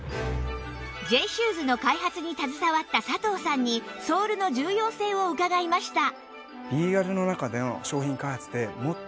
Ｊ シューズの開発に携わった佐藤さんにソールの重要性を伺いました